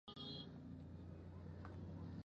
د روغ صحت په قدر به وپوهېږې !